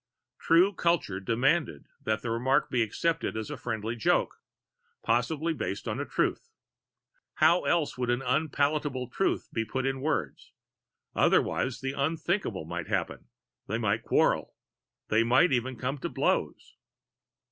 True culture demanded that that remark be accepted as a friendly joke, probably based on a truth how else could an unpalatable truth be put in words? Otherwise the unthinkable might happen. They might quarrel. They might even come to blows!